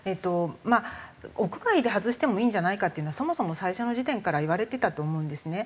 まあ屋外で外してもいいんじゃないかっていうのはそもそも最初の時点から言われてたと思うんですね。